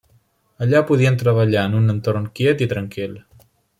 Allà podien treballar en un entorn quiet i tranquil.